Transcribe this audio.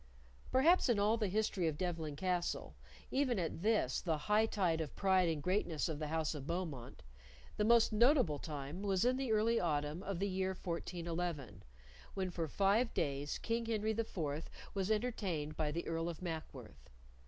Perhaps in all the history of Devlen Castle, even at this, the high tide of pride and greatness of the house of Beaumont, the most notable time was in the early autumn of the year 1411, when for five days King Henry IV was entertained by the Earl of Mackworth.